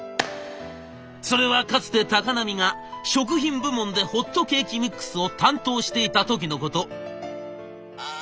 それはかつて高波が食品部門でホットケーキミックスを担当していた時のこと。